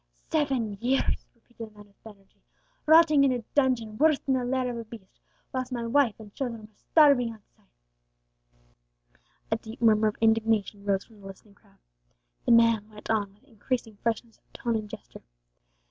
Seven years!" repeated the man with energy, "rotting in a dungeon worse than the lair of a beast, whilst my wife and children were starving outside!" A deep murmur of indignation rose from the listening crowd. The man went on with increasing fierceness of tone and gesture.